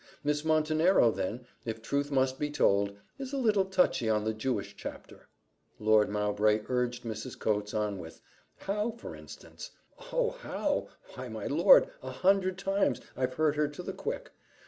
Miss Montenero, then, if truth must be told, is a little touchy on the Jewish chapter." Lord Mowbray urged Mrs. Coates on with "How, for instance?" "Oh, how! why, my lord, a hundred times I've hurt her to the quick.